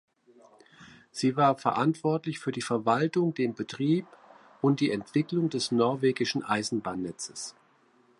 Sie war verantwortlich für die Verwaltung, den Betrieb und die Entwicklung des norwegischen Eisenbahnnetzes.